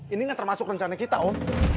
ini kan termasuk rencana kita om